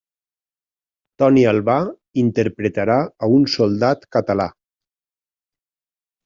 Toni Albà interpretarà a un soldat català.